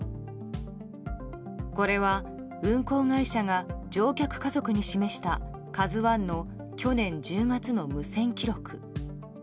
これは運航会社が乗客家族に示した「ＫＡＺＵ１」の去年１０月の無線記録。